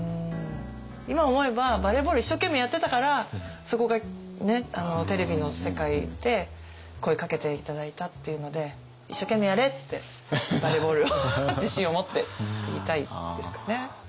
今思えばバレーボール一生懸命やってたからそこがねテレビの世界で声かけて頂いたっていうので「一生懸命やれ！」って「バレーボールを自信を持って」って言いたいですかね。